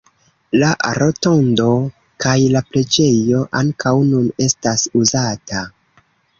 La rotondo kaj la preĝejo ankaŭ nun estas uzata.